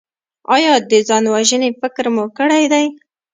ایا د ځان وژنې فکر مو کړی دی؟